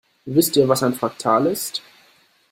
Wisst ihr, was ein Fraktal ist?